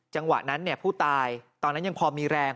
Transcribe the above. จังหวะนั้นผู้ตายตอนนั้นยังพอมีแรง